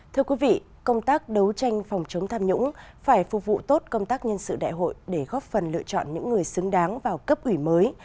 thưa quý vị công tác đấu tranh phòng chống tham nhũng phải phục vụ tốt công tác nhân sự đại hội để góp phần lựa chọn những người xứng đáng vào cấp ủy mới